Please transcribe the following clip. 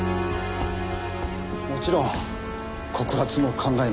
もちろん告発も考えました。